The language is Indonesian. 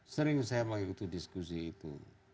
sering saya mengikuti diskusi itu